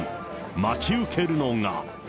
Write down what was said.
待ち受けるのが。